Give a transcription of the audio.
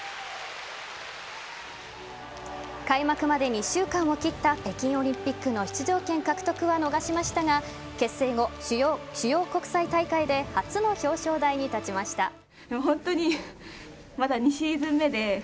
開幕まで２週間を切った北京オリンピックの出場権獲得は逃しましたが結成後、主要国際大会で初の表彰台に立ちました。